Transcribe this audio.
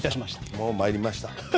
もう参りました。